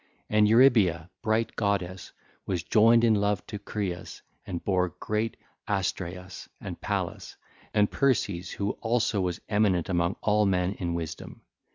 (ll. 375 377) And Eurybia, bright goddess, was joined in love to Crius and bare great Astraeus, and Pallas, and Perses who also was eminent among all men in wisdom.